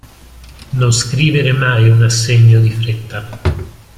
Non scrivere mai un assegno di fretta.